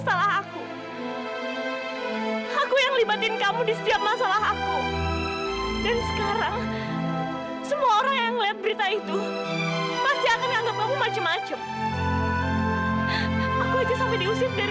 aku harus jelasin semuanya ke orang temannya dia